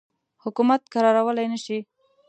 حکومت کرارولای نه شي.